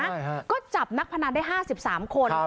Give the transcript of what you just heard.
ใช่ฮะก็จับนักพนันได้ห้าสิบสามคนครับ